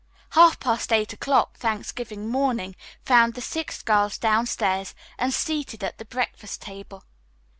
Half past eight o'clock Thanksgiving morning found the six girls downstairs and seated at the breakfast table.